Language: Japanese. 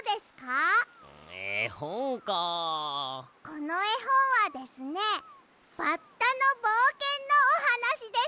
このえほんはですねバッタのぼうけんのおはなしですよ！